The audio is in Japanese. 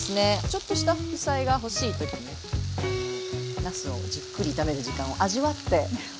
ちょっとした副菜が欲しい時になすをじっくり炒める時間を味わって。